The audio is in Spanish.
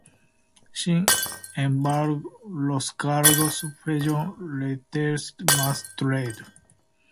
Sin embargo, los cargos fueron retirados más tarde.